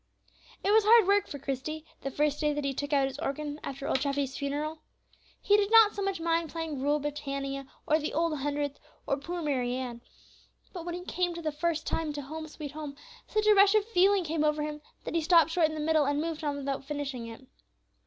It was hard work for Christie, the first day that he took out his organ after old Treffy's funeral; he did not so much mind playing "Rule Britannia," or the "Old Hundredth," or "Poor Mary Ann," but when he came for the first time to "Home, sweet Home," such a rush of feeling came over him that he stopped short in the middle and moved on without finishing it.